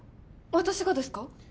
私がですか？